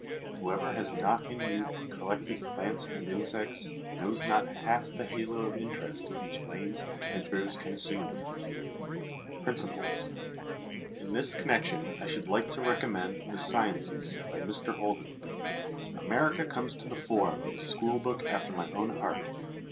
Whoever has not in youth collected plants and insects, knows not half the halo of interest which lanes and hedgerows can assume." Principles. In this connection I should like to recommend The Sciences, by Mr Holden. America comes to the fore with a schoolbook after my own heart.